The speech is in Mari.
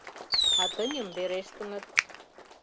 А тыньым верештыныт.